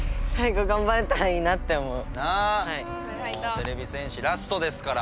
てれび戦士ラストですから。